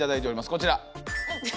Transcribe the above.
こちら。